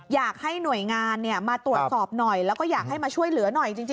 อยากให้หน่วยงานออกมาช่วยเหลือดิ